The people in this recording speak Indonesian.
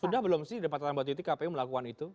sudah belum sih di depan mbak titi kpu melakukan itu